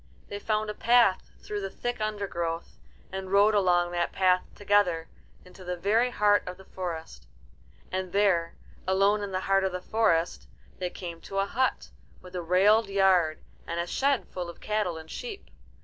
They found a path through the thick undergrowth, and rode along that path together into the very heart of the forest. And there, alone in the heart of the forest, they came to a hut, with a railed yard and a shed full of cattle and sheep.